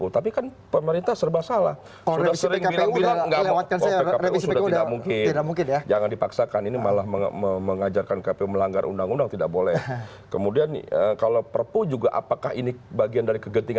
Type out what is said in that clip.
tapi kan masyarakat lagi masyarakat pemilih yang kemudian akan menjadi akan berimbas dari proses ini